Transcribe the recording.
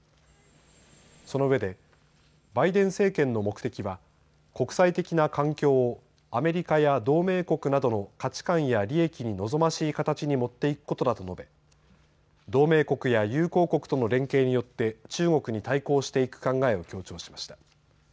そのうえでバイデン政権の目的は国際的な環境をアメリカや同盟国などの価値観や利益に望ましい形にもっていくことだと述べ同盟国や友好国との連携によって中国に対抗していく考えを強調しました。